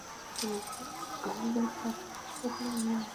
আমাদের তাকে হাসপাতালে নিয়ে যাওয়া উচিত।